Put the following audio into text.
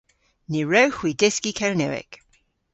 Ny wrewgh hwi dyski Kernewek.